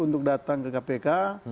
untuk datang ke kpk